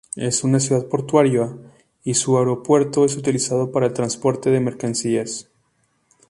Es una ciudad portuaria y su aeropuerto es utilizado para el transporte de mercancías.